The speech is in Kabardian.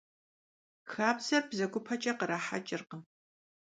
Хабзэр бзэгупэкӀэ кърахьэкӀыркъым.